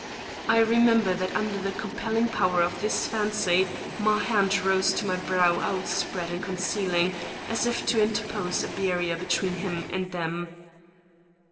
I remember that under the compelling power of this fancy, my hand rose to my brow outspread and concealing, as if to interpose a barrier between him and them.